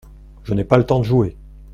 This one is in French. Je n’ai pas le temps de jouer.